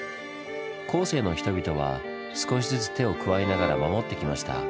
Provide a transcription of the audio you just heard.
後世の人々は少しずつ手を加えながら守ってきました。